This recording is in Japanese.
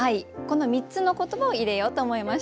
この３つの言葉を入れようと思いました。